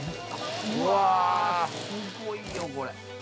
うわすごいよこれ。